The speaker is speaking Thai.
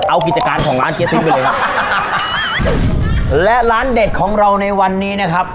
เอากิจการของร้านเจ๊ติ้งไปเลยครับและร้านเด็ดของเราในวันนี้นะครับ